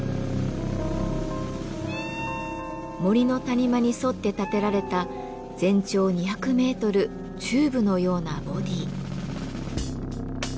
森の谷間に沿って建てられた全長２００ｍチューブのようなボディー。